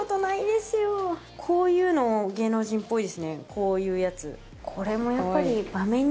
こういうやつ。